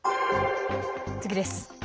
次です。